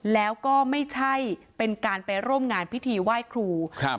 แล้วก็ไม่ใช่เป็นการไปร่วมงานพิธีไหว้ครูครับ